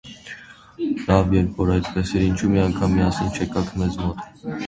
Լավ, երբ որ այդպես էր, ինչո՞ւ մի անգամ միասին չեկաք մեզ մոտ: